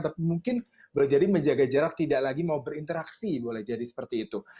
tapi mungkin berjadi menjaga jarak tidak lagi mau berinteraksi boleh jadi seperti itu